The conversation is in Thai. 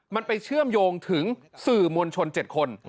มันไปเชื่อมโยงถึงสื่อมวลชน๗คน